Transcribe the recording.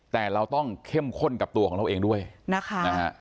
แต่เราต้องเข้มข้นกับตัวของเราเองด้วยนะคะ